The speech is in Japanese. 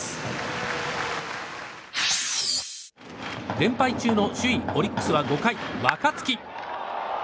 連敗中の首位オリックスは５回、若月。